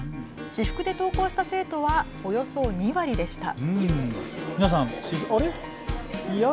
私服で登校した生徒はおよそ２割でした。